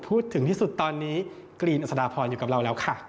พูดถึงที่สุดตอนนี้กรีนอัศดาพรอยู่กับเราแล้วค่ะ